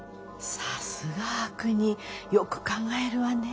さすが悪人よく考えるわね。